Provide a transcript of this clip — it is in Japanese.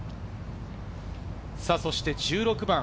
そして１６番。